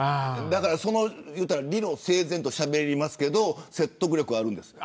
理路整然としゃべるけど説得力あるんです。